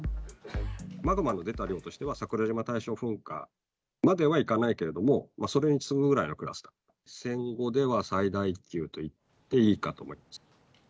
マグマの出た量としては桜島の大正噴火まではいかないけれども、それに次ぐぐらいの蔵、クラスだと、戦後では最大級と言っていいかと思います。